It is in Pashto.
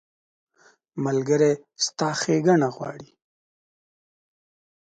ملګری ستا ښېګڼه غواړي.